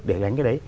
để gánh cái đấy